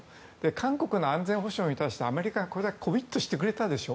韓国の安全保障に対してアメリカがこれだけコミットしてくれたでしょ。